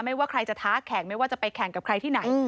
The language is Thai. ว่าใครจะท้าแข่งไม่ว่าจะไปแข่งกับใครที่ไหน